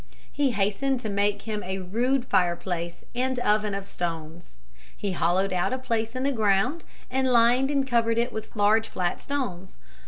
He hastened to make him a rude fireplace and oven of stones. He hollowed out a place in the ground and lined and covered it with large flat stones.